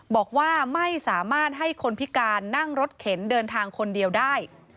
บอกว่าไม่สามารถให้คนพิการนั่งรถเข็นเดินทางคนเดียวได้